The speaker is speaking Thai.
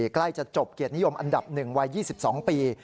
ใกล้จะจบเกียรตินิยมอันดับ๑วัย๒๒ปี